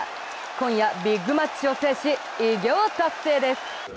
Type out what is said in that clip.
今夜、ビッグマッチを制し偉業達成です！